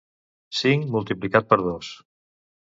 Cinc multiplicat per dos.